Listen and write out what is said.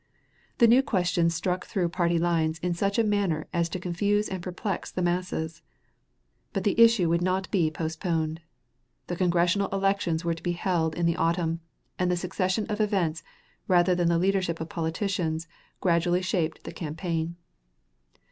The new question struck through party lines in such a manner as to confuse and perplex the masses. But the issue would not be postponed. The Congressional elections were to be held in the autumn, and the succession of events rather than the leadership of politicians gradually shaped the campaign.